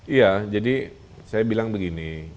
iya jadi saya bilang begini